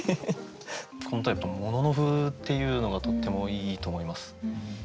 この歌やっぱ「もののふ」っていうのがとってもいいと思います。